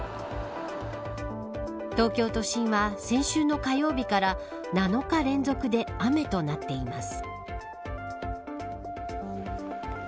東京都心は先週の火曜日から７日連続で雨となっています。